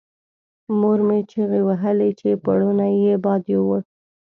مور مې چیغې وهلې چې پوړونی یې باد یووړ.